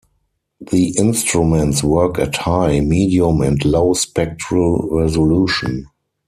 The instruments work at high, medium and low spectral resolution.